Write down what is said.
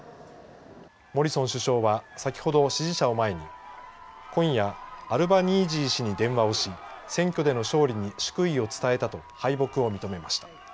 モリソン首相は先ほど支持者を前に今夜アルバニージー氏に電話をし選挙での勝利に祝意を伝えたと敗北を認めました。